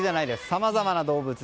さまざまな動物。